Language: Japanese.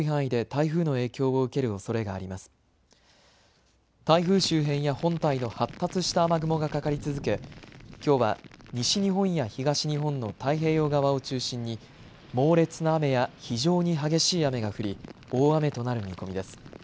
台風周辺や本体の発達した雨雲がかかり続け、きょうは西日本や東日本の太平洋側を中心に猛烈な雨や非常に激しい雨が降り大雨となる見込みです。